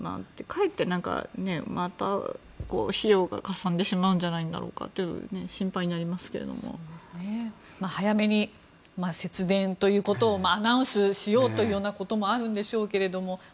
かえってまた、費用がかさんでしまうんじゃないだろうかと早めに節電ということをアナウンスしようということもあるんでしょうけども。